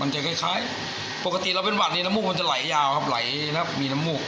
จะคล้ายปกติเราเป็นหวัดนี้น้ำมูกมันจะไหลยาวครับไหลแล้วมีน้ำมูก